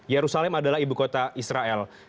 yerusalem adalah ibu kota israel